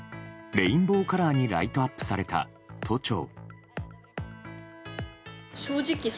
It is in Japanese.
レインボーカラーにライトアップされた都庁。